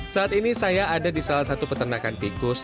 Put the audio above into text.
saat ini saya ada di salah satu peternakan tikus